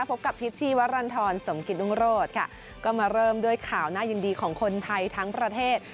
พบกับพิษชีวรรณฑรสมกิตรุงโรธค่ะก็มาเริ่มด้วยข่าวน่ายินดีของคนไทยทั้งประเทศ